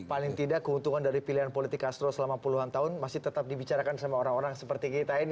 paling tidak keuntungan dari pilihan politik castro selama puluhan tahun masih tetap dibicarakan sama orang orang seperti kita ini